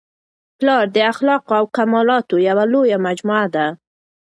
پلار د اخلاقو او کمالاتو یوه لویه مجموعه ده.